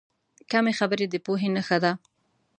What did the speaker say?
کمې خبرې، د پوهې نښه ده.